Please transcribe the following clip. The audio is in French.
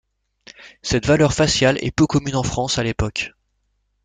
Cette valeur faciale est peu commune en France à l'époque.